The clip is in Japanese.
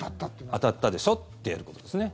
当たったでしょ？ってやることですね。